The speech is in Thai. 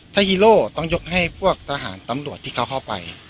ถ้าฮีโร่ต้องยกให้พวกทหารตำรวจที่เขาเข้าไป